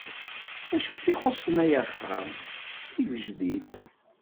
Acu k-ixuṣṣen ay axxam? D tigejdit.